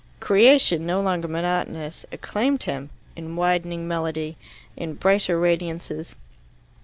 Creation, no longer monotonous, acclaimed him, in widening melody, in brighter radiances.